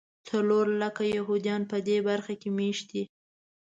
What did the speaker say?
څلور لکه یهودیان په دې برخه کې مېشت دي.